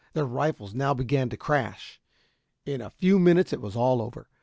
Their rifles now began to crash. In a few minutes it was all over.